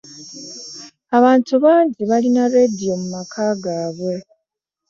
Abantu bangi balina laadiyo mu maka gaabwe.